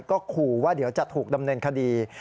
ก็ขู่ว่าเดี๋ยวจะถูกดำเนินคดี